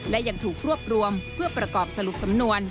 และยังถูกรวบรวมเพื่อประกอบสรุปสำนวน